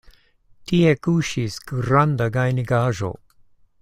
Tie kuŝis granda gajnigaĵo.